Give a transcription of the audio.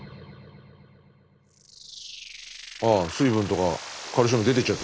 ああ水分とかカルシウム出てっちゃう。